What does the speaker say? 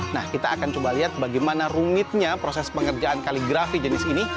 nah kita akan coba lihat bagaimana rumitnya proses pengerjaan kaligrafi jenis ini